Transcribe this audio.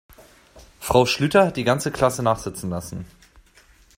Frau Schlüter hat die ganze Klasse nachsitzen lassen.